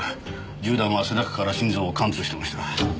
銃弾は背中から心臓を貫通してました。